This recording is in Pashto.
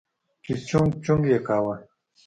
چې چونگ چونگ يې کاوه.